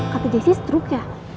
kata jessy stroke ya